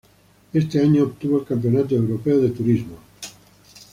Ese año, obtuvo el Campeonato Europeo de Turismos.